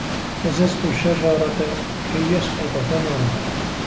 هَزَزْتُ الشَّجَرَةَ كَيْ يَسْقُطَ ثَمَرُهَا.